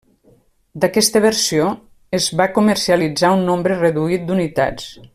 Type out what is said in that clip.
D’aquesta versió es va comercialitzar un nombre reduït d’unitats.